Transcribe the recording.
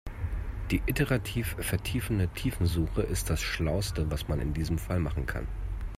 Die iterativ vertiefende Tiefensuche ist das schlauste, was man in diesem Fall machen kann.